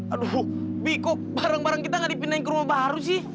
aduh bi kok barang barang kita gak dipindahin ke rumah baru sih